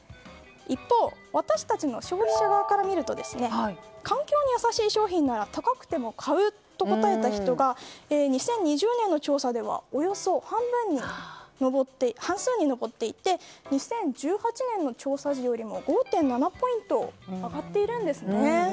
一方、私たち消費者側から見ると環境に優しい商品なら高くても買うと答えた人が２０２０年の調査ではおよそ半数に上っていて２０１８年の調査時よりも５．７ポイント上がっているんです。